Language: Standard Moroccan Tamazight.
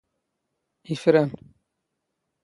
ⵉⴼⵔⴰⵏ